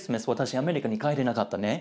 アメリカに帰れなかったね。